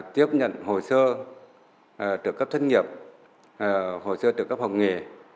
tiếp nhận hồ sơ trực cấp thất nghiệp hồ sơ trực cấp học nghề